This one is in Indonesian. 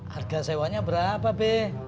harga sewanya berapa be